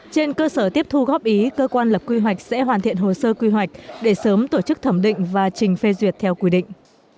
trên cơ sở tiếp thu góp ý cơ quan lập quy hoạch sẽ hoàn thiện hồ sơ quy hoạch để sớm tổ chức thẩm định và trình phê duyệt theo quy định